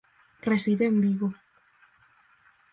Reside en Vigo.